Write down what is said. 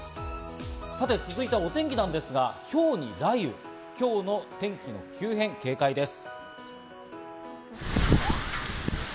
さて続いてはお天気なんですが、ひょうに雷雨、今日の天気の急変、警戒です。